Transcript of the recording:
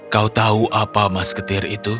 kau tahu apa masketir itu